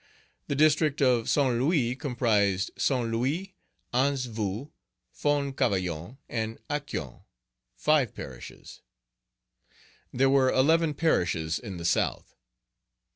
The District of Saint Louis comprised Saint Louis, Anse Veau, Fond Cavaillon, and Acquin, five parishes. There were eleven parishes in the South.